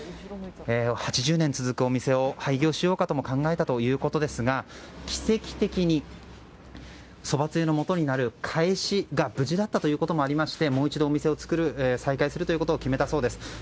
８０年続くお店を廃業しようかとも考えたということですが奇跡的に、そばつゆのもとになるかえしが無事だったということでしてもう一度お店を再開するということを決めたそうです。